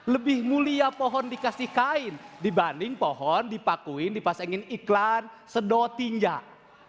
lebih mulia pohon dikasih kain dibanding pohon dipakuin dipasangin iklan sedotinjak